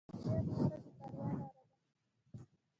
د خیر لاره د بریا لاره ده.